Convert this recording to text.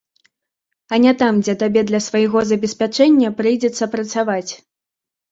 А не там, дзе табе для свайго забеспячэння прыйдзецца працаваць.